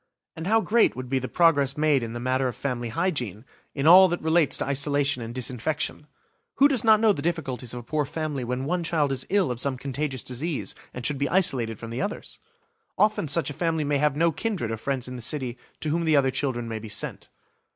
And how great would be the progress made in the matter of family hygiene, in all that relates to isolation and disinfection! Who does not know the difficulties of a poor family when one child is ill of some contagious disease, and should be isolated from the others? Often such a family may have no kindred or friends in the city to whom the other children may be sent.